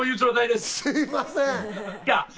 すみません。